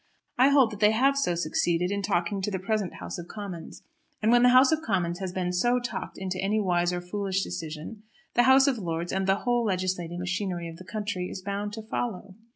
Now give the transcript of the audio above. I hold that they have so succeeded in talking to the present House of Commons. And when the House of Commons has been so talked into any wise or foolish decision, the House of Lords and the whole legislating machinery of the country is bound to follow.